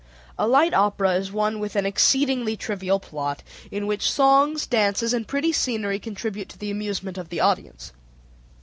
A light opera is one with an exceedingly trivial plot, in which songs, dances, and pretty scenery contribute to the amusement of the audience.